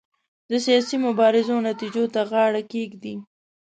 د سیاسي مبارزو نتیجو ته غاړه کېږدي.